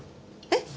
えっ。